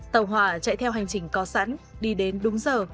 tàu hỏa chạy theo hành trình có sẵn đi đến đúng giờ